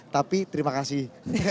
tapi terima kasih